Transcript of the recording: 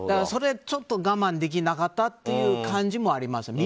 ちょっと我慢できなかったという感じもあります。